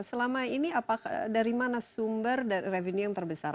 selama ini dari mana sumber revenue yang terbesar